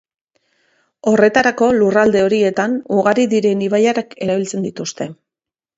Horretarako lurralde horietan ugari diren ibaiak erabiltzen dituzte.